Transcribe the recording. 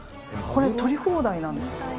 これ、取り放題なんですよね？